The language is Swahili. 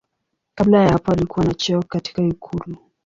Kabla ya hapo alikuwa na cheo katika ikulu.